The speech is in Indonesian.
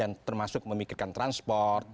dan termasuk memikirkan transport